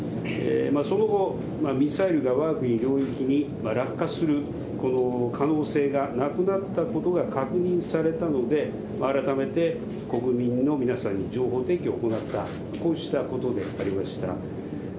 その後、ミサイルがわが国領域に落下する可能性がなくなったことが確認されたので、改めて国民の皆さんに情報提供を行った、こうしたことでありました。